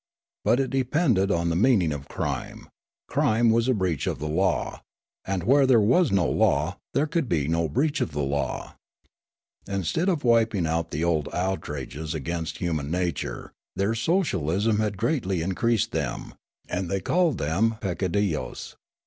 But it depended on the meaning of crime ; crime was a breach of the law; and where there was no law there could be no breach of the law. Instead of wiping out the old outrages against human nature, their socialism had greatlj' increased them, and they called them peccadil loes.